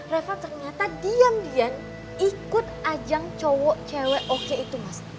reva ternyata diam diam ikut ajang cowok oke itu mas